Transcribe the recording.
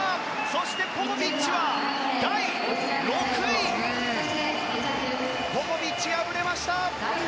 そして、ポポビッチは第６位！ポポビッチ、敗れました。